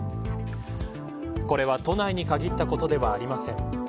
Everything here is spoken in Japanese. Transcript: これは、都内に限ったことではありません。